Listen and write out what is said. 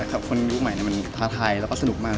คนรู้ใหม่มันท้าทายและสนุกมาก